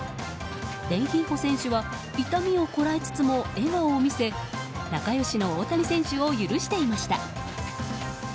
レンヒーフォ選手は痛みをこらえつつも笑顔を見せ仲良しの大谷選手を許していました。